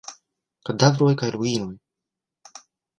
Kadavroj kaj ruinoj.